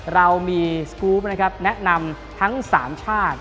เรามีสกรูปนะครับแนะนำทั้ง๓ชาติ